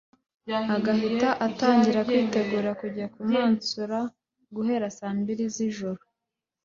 agahita atangira kwitegura kujya kumansura guhera saa mbili z’ijoro